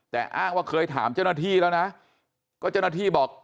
แต่อ้างว่าเคยถามเจ้าหน้าที่แล้วนะก็เจ้าหน้าที่บอก